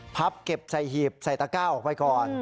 พับเก็บใส่หีบใส่ตะก้าออกไปก่อน